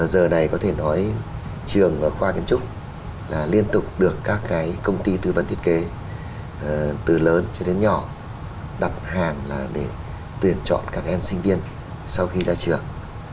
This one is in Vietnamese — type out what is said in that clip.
giờ này có thể nói trường và khoa kiến trúc là liên tục được các cái công ty tư vấn thiết kế từ lớn cho đến nhỏ đặt hàng là để tuyển chọn các em sinh viên sau khi ra trường